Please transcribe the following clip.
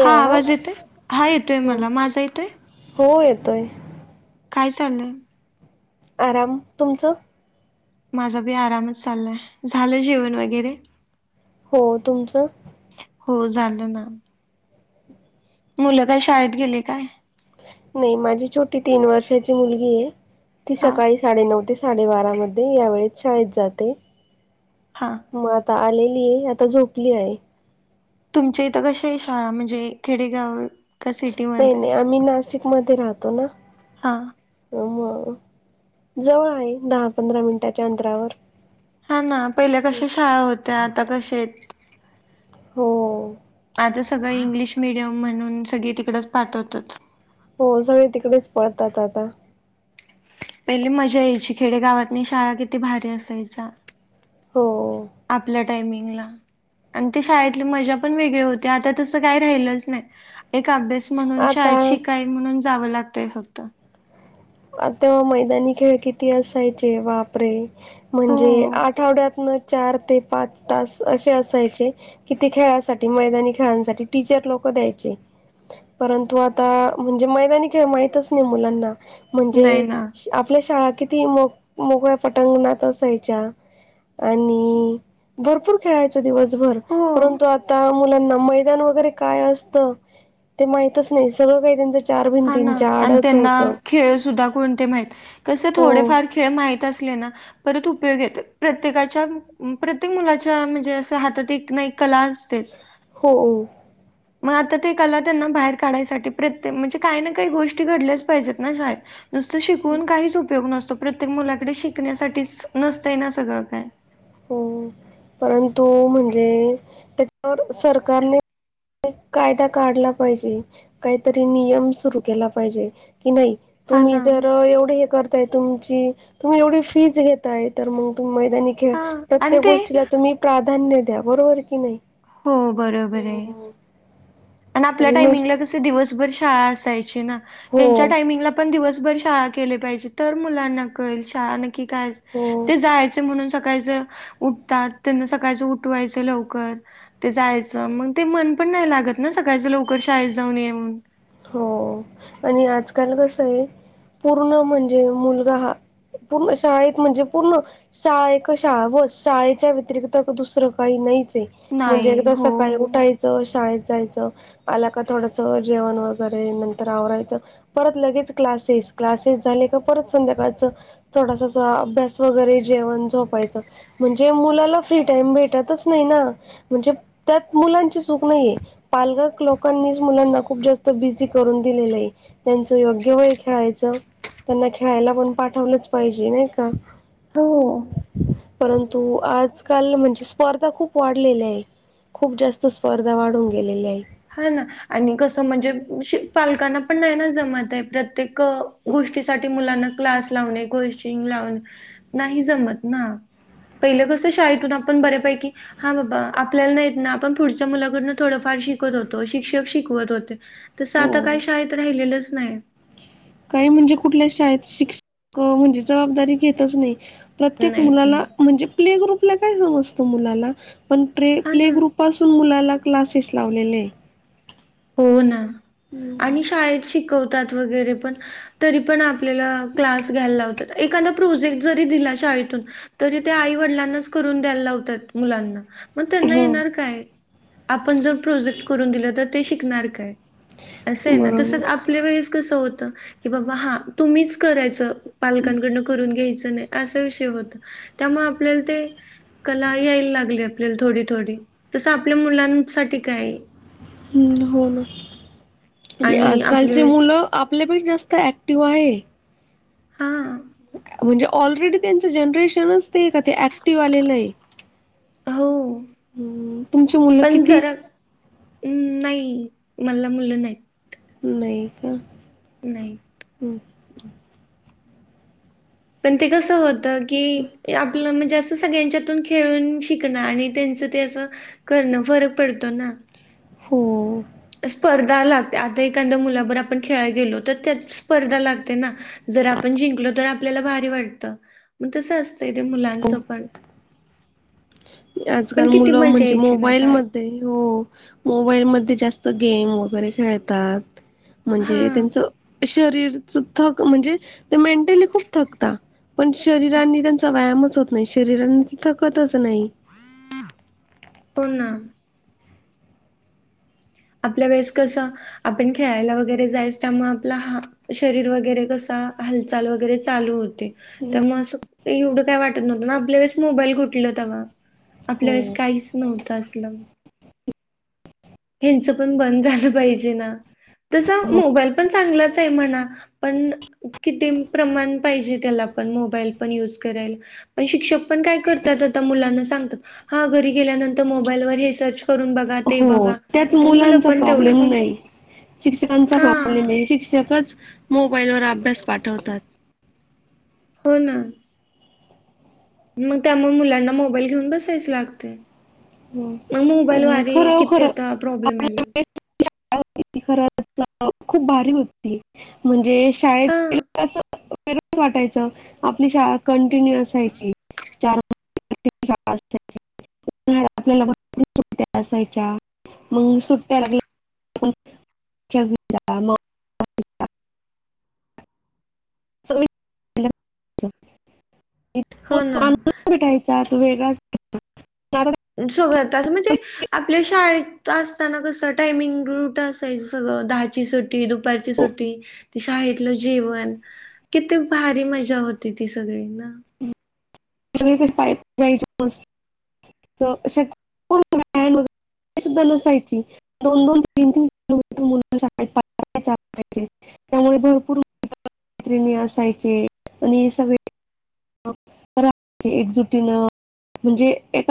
हा आवाज येतोय हा येतोय हो मला माझा येतोय? हो येतोय. काय चाललंय? आराम तुमचं? माझा बी आरामच चाललाय झालं जेवण वगैरे? हो तुमचं? हो झालं ना. मुलं काय शाळेत गेलं काय? नाही माझी छोटी तीन वर्षाची मुलगी आहे. ती हा सकाळी साडेनऊ ते साडेबारा मध्ये यावेेळेत शाळेत जाते. हा. म आता आलेली आहे आता झोपली आहे. तुमच्या इथं कशी आहे शाळा म्हणजे खेडेगाव का नाही सिटीमध्ये नाही आम्ही नाशिक मध्ये राहतो ना. हा. हो म जवळ आहे दहा पंधरा मिनिटाच्या अंतरावर. हा ना पहिल्या कश्या शाळा होत्या आता कशे आहेत. हो. आता सगळं इंग्लिश मिडियम म्हणून सगळी तिकडच पाठवतात. हो सगळे तिकडेच पडतात आता. पहिली मज्जा येयची खेडेगावातनी शाळा किती भारी असायचा. हो. आपल्या टायमिंगला. आणि ते शाळेतली मजा पण वेगळे होती आता तसं काही राहिलंच नाही. एक अभ्यास म्हणून शाळेत आता शिकाय म्हणून जावं लागतंय फक्त. आता मैदानी खेळ किती असायचे वापरे! हो म्हणजे आठवड्यात चार ते पाच तास असे असायचे कि ते खेळासाठी मैदानी खेळांसाठी टीचर लोकं द्यायचे. परंतु आता म्हणजे मैदानी खेळ माहितच नाही मुलांना नाही म्हणजे ना आपल्या शाळा किती मोक मोकळ्या पटंगणात असायच्या. आणि भरपूर खेळायचे दिवसभर हो परंतु आता मुलांना मैदान वगैरे काय असतं ते माहीतच नाही, सगळे काही त्यांचा चार हा ना भिंतींचा आणि आडच त्यांना होतं. खेळ सुद्धा कोणते माहित कसे हो थोडेफार खेळ माहित असले ना परत उपयोग येत प्रत्येकाच्या प्रत्येक मुलाच्या म्हणजे असं हातात एक ना एक कला असतेच हो हो. मग आता ते कला त्यांना बाहेर काढायसाठी प्रत्येम म्हणजे काही ना काही गोष्टी घडल्याच पाहिजेत ना शाळेत. नुसतं शिकवून काहीच उपयोग नसतो प्रत्येक मुलाकडे शिकण्यासाठीच नसतंय ना सगळं काय. हो परंतु म्हणजे त्याच्यावर सरकारने कायदा काढला पाहिजे काहीतरी नियम सुरू केला पाहिजे कि नाही. हा ना तुम्ही जर एवढे हे करताय तुमची तुम्ही एवढी फीज घेताय तर मग तुम्ही मैदानी खेळ हा आणि प्रत्येक ते गोष्टीला तुम्ही प्राधान्य द्या बरोबर की नाही. हो बरोबर आहे. आणि आपल्या टायमिंगला कसं दिवसभर शाळा असायची ना हो ह्यांच्या टायमिंगला पण दिवसभर शाळा केले पाहिजे तर मुलांना कळेल शाळा नक्की कायच हो ते जायचं म्हणून सकाळचं उठतात त्यांना सकाळचं उठवायचं लवकर ते जायचं मंग ते मन पण नाही लागत ना सकाळचं लवकर शाळेेत जाऊन येऊन. हो आणि आजकाल कसं आहे पूर्ण म्हणजे मुलगा हा पूर्ण शाळेत म्हणजे पूर्ण शाळे क शाळा ब शाळेच्या व्यतिरिक्त दुसरं काही नाहीच. ते म्हणजे नाही एक हो सकाळी उठायचं शाळेत जायचं आला का थोडसा जेवण व बरं हे नंतर आवरायचं परत लगेच क्लासेस क्लासेस झाले का परत संध्याकाळचं थोडासा सा अभ्यास वगैरे, जेवण झोपायचं म्हणजे मुलाला फ्री टाम भेटतच नाही ना. म्हणजे त्यात मुलांची चूक नाहीये पालक लोकांनीच मुलांना खूप जास् ते बिझी करून दिलेलं आहे त्यांचं योग्य वय खेळायचं. त्यांना खेळायला पण पाठवलंच पाहिजे नाही का. हो. परंतु आजकाल म्हणजे स्पर्धा खूप वाढलेल्या आहे. खूप जास्त स्पर्धा वाढून गेलेले आहे. हा ना आणि कसं म्हणजे विष पालकांना पण नाही ना जमत आहे प्रत्येक गोष्टीसाठी मुलांना क्लास लावणे, कोचिंग लावणे नाही जमत ना. पहिले कसं शाळेतून आपण बऱ्याेपैकी हा बाबा आपल्याला नाही येत ना आपण पुढच्या मुलाकडूनं थोडंफार शिक कत होतो शिक्षक शिकवत होते तसं आता हो काय शाळेत राहिलेलंच नाय. काही म्हणजे कुठल्या शाळेत शिक्षक म्हणजे जबाबदारी घेतच नाही. प्रत्येक नाहीत मुलाला नाही म्हणजे प्ले ग्रुपला काय समजत मुलाला पण प्रे हा प्ले ना ग्रुप पासून मुलाला क्लासेस लावलेले. हो ना आणि हम्म शाळेत शिकवतात वगैरे पण तरी पण आपल्याला क्लास घ्यायला लावतात एखादा प्रोजेक्ट जरी दिला शाळेतून तरी त्या आई वडिलांनाच करून द्यायला लावतात मुलांना मंग त्यांना हो येणार काय. आपण जर प्रोजेक्ट करून दिलं तर ते शिकणार काय असं आहे ना तसंच बरोबर आप आपल्या वेळेस कसं होतं की बाबा हा तुम्हीच करायचं पालकांकडनं करून घ्यायचं नाही. असं विषय होतं त्याममुळं आपल्याला ते कला यायला लागली आपल्याला थोडी-थोडी तसं आपल्या मुलांसाठी काय हम्म हो ना आणि आपल्या आजकालचे वेळेस मुलं आपल्या पण जास्त ॲक्टिव्ह आहे. हां. म्हणजे ऑलरेडी त्यांचं जनरेशनच ते का ते ऍक्टिव्ह आलेलं आहे. हऊ हम्म, तुमची मुलं पण किती? जरा हम्म नाही मल्ला मुलं नाही. नाही का? नाही हम्म. पण ते कसं होत की आपलं म्हणजे असं सगळ्यांच्यातून खेळून शिकण आणि त्यांच ते असं करणं, फरक पडतो ना. हो. स्पर्धा लागते आता एखाद्या मुलाभर आपण खेळला गेलो, तर त्यात स्पर्धा लागते ना. जर आपण जिंकलो तर आपल्याला भारी वाटतं मंग तसच ते मुलांचं पण. आजकाल पण किती मुलं मजा म्हणजे यायची ना मोबाईल म शाळेत तरी हो मोबाईल मध्ये जास्त गेम वगैरे खेळतात. हा म्हणजे त्यांचं शरीरच थक म्हणजे ते मेंटली खूप थकता पण शरीरांनी त्यांचा व्यायामच होत नाही शरीरांची थकतच तर नाही हो ना. आपल्या वेळेस कसं आपण खेळायला वगैरे जायच त्यामुळे आपला हा शरीर वगैरे कसा हल चाल वगैरे चालू होते. [unintelligible] म असं एवढं काय वाटत नव्हतं ना आपल्या वेळेस मोबाईल कुटलं तेव्हा आपल्या वेळेस हो काहीच नव्ह तसलम हेनच पण बंद झालं पाहिजे ना, तस मोबाईल पण चांगलाच आहे म्हणा. पण कितीम प्रमाण पाहिजे त्याला पण मोबाईल पण युज करायला. पण शिक्षक पण काय करतात आता मुलांना सांगतात हा घरी गेल्यानंतर मोबाईलवर हे सर्च करून बघा ते हो, बघा त्यात मग मुलं मुलांचा पण प्रॉब्लेम तेवढंच नाही शिक्षकांचा पावले हा. मी शिक्षकच मोबाईलवर अभ्यास पाठवतात. हो ना. मग त्यामुळे मुलांना मोबाईल घेऊन बसायच लागते. हं. मग मोबाईल पण वारीे किती खरोखर आता प्रॉब्लेम येलं. [unintelligible] खूप भारी होती म्हणजे शाळेत. हा [unintelligible] [unintelligible] वाटायचं आपली शाळा कंटिन्यु असायची चार. [inaudible] [unintelligible] सुट्टया असायच्या मंग सुट्टया लागलं चगदा मग. असं हो ना [unintelligible] भेटायचा तो वेगळाच आता सगळे आताच म्हणजे तो आपल्या शाळेत असताना कसं टायमिंग रूट असायच सगळं दहाची सुट ती दुपारची सुट्टी, ते शाळेतलं जेवण. किती भारी मज्जा होती ती सगळी ना. [unintelligible] अशे [inaudible] सुद्धा नसायची. दोन-दोन, तीन-तीन [unintelligible] पत्रिका छापायचे. त्यामुळे भरपूर मैत्रिणी असायचे आणि हे सगळे [unintelligible] एकजुटीनं म्हणजे एका